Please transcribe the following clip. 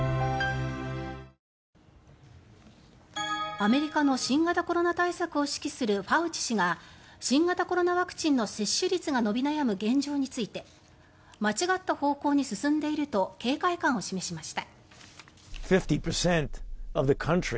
アメリカの新型コロナ対策を指揮するファウチ氏が新型コロナワクチンの接種率が伸び悩む現状について間違った方向に進んでいると警戒感を示しました。